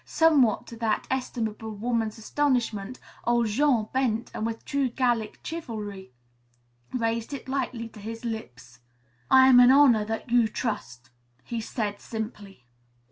Somewhat to that estimable woman's astonishment old Jean bent and with true Gallic chivalry raised it lightly to his lips. "I am honor that you trust," he said simply.